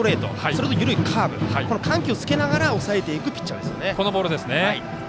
それと、緩いカーブ緩急をつけながら抑えていくピッチャーですよね。